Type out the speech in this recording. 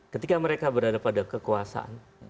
ketika mereka berada pada kekuasaan